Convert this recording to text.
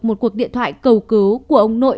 một cuộc điện thoại cầu cứu của ông nội